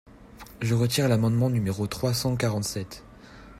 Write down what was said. Je retire l’amendement numéro trois cent quarante-sept.